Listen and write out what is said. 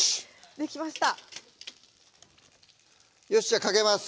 できましたよしじゃあかけます